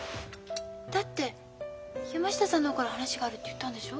だって山下さんの方から話があるって言ったんでしょ？